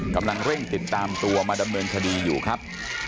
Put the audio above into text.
กำลังเร่งติดตามตัวมาดำเนินคดีอยู่ครับ